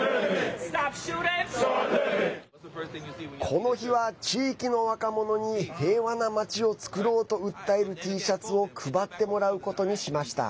この日は、地域の若者に平和な街を作ろうと訴えるＴシャツを配ってもらうことにしました。